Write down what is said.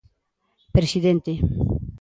Presidente.